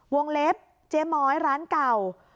วงเล็บเจ๊ม้อยร้านเก่า